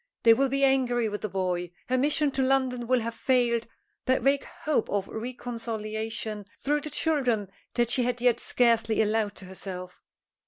They will be angry with the boy. Her mission to London will have failed that vague hope of a reconciliation through the children that she had yet scarcely allowed to herself.